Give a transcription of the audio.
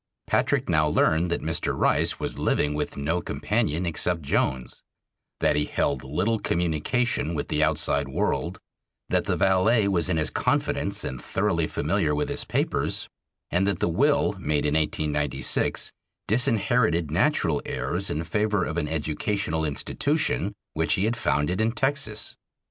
Patrick now learned that Mr. Rice was living with no companion except Jones; that he held little communication with the outside world; that the valet was in his confidence and thoroughly familiar with his papers, and that the will made in 1896 disinherited natural heirs in favor of an educational institution which he had founded in Texas.